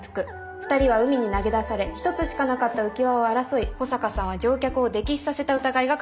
２人は海に投げ出され一つしかなかった浮き輪を争い保坂さんは乗客を溺死させた疑いがかかっています。